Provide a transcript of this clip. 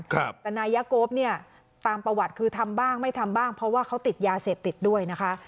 แต่นายยะโก๊ปเนี่ยตามประวัติคือทำบ้างไม่ทำบ้างเพราะว่าเขาติดยาเสพติดด้วยนะคะ